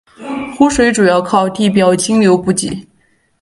湖水主要靠地表径流补给。